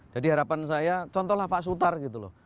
jadi harapan saya contohlah pak sutar gitu loh